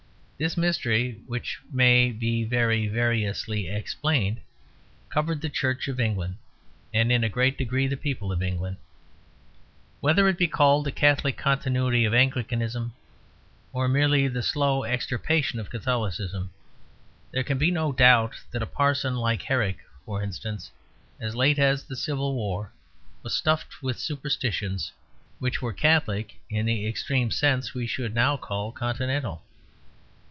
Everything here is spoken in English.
This mystery, which may be very variously explained, covered the Church of England, and in a great degree the people of England. Whether it be called the Catholic continuity of Anglicanism or merely the slow extirpation of Catholicism, there can be no doubt that a parson like Herrick, for instance, as late as the Civil War, was stuffed with "superstitions" which were Catholic in the extreme sense we should now call Continental.